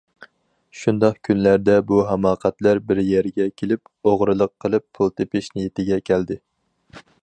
شۇنداق كۈنلەردە بۇ ھاماقەتلەر بىر يەرگە كېلىپ، ئوغرىلىق قىلىپ پۇل تېپىش نىيىتىگە كەلدى.